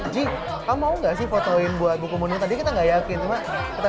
yang ustahul discussing listnya tadi nih ya